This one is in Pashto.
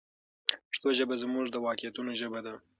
پښتو ژبه زموږ د واقعیتونو ژبه ده.